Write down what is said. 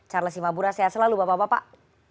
charles simabura sehat selalu bapak bapak